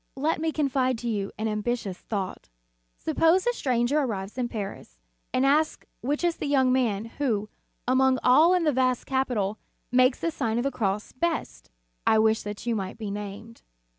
Let me confide to you an ambitious thought: Suppose a stranger arrives in Paris, and asks which is the young man, who, among all in this vast capital, makes the Sign of the Cross best. I wish that you might be named.